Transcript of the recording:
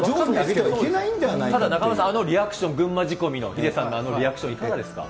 ただ、中丸さん、あのリアクション、群馬仕込みのヒデさんのあのリアクション、いかがですか？